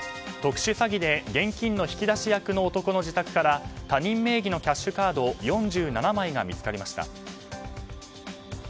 特殊詐欺で現金の引き出し役の男の自宅から他人名義のキャッシュカード４７枚が見つかりました。